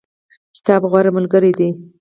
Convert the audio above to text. کتاب غوره ملګری دی